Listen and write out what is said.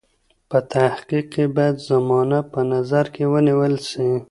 په تحقیق کې باید زمانه په نظر کې ونیول سي.